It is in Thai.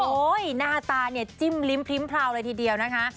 หน้าตาเนี่ยจิ้มลิ้มพริ้มพราวเลยทีเดียวนะคะ